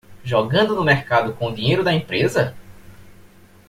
Jogando no mercado com o dinheiro da empresa?